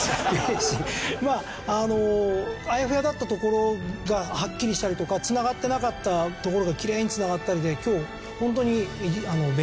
まああのあやふやだったところがはっきりしたりとか繋がってたところがきれいに繋がったりで今日ホントに勉強になったなと。